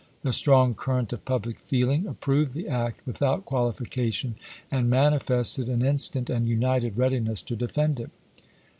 The strong current of public feeling approved the act without qualifica tion, and manifested an instant and united readi ness to defend it.